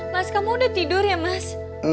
mas kamu udah tidur ya mas